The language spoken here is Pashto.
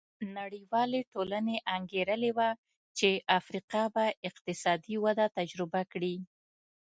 نړیوالې ټولنې انګېرلې وه چې افریقا به اقتصادي وده تجربه کړي.